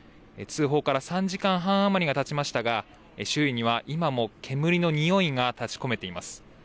通報から３時間半余りがたちましたが、周囲には今も煙の臭いが立ちこめています。